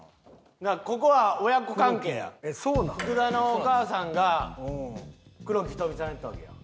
福田のお母さんが黒木瞳さんやったわけや。